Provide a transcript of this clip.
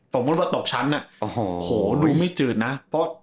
สมมุติว่าตกชั้นน่ะโหดูไม่จืดมาก